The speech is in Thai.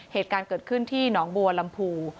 เหตุการณ์เกิดขึ้นที่หนองบัวลำพู